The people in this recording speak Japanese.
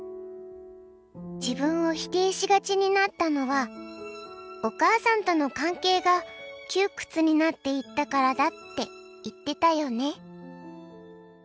自分を否定しがちになったのはお母さんとの関係が窮屈になっていったからだって言ってたよね。